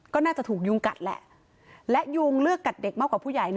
ก็น่าจะถูกยุงกัดแหละและยุงเลือกกัดเด็กมากกว่าผู้ใหญ่